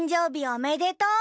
おめでとう！